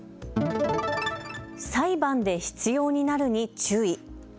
裁判で必要になるに注意。